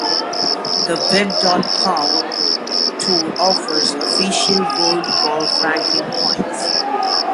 The Web dot com Tour offers Official World Golf Ranking points.